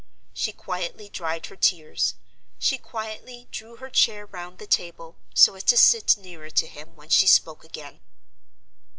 She quietly dried her tears; she quietly drew her chair round the table, so as to sit nearer to him when she spoke again.